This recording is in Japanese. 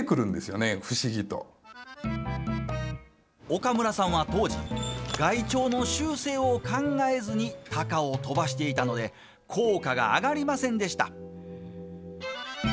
岡村さんは当時害鳥の習性を考えずにたかを飛ばしていたので効果が上がりませんでした。